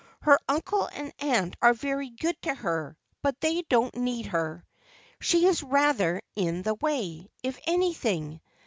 Her uncle and aunt are very good to her, but they don't need her—she is rather in the way, if anything.